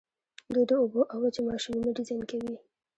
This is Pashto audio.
دوی د اوبو او وچې ماشینونه ډیزاین کوي.